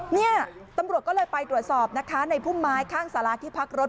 เนี่ยตำรวจก็เลยไปตรวจสอบนะคะในพุ่มไม้ข้างสาราที่พักรถ